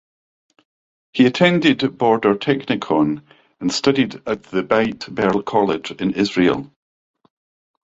He attended Border Technikon and studied at the Beit Berl College in Israel.